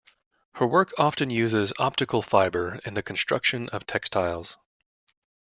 Her work often uses Optical Fiber in the construction of textiles.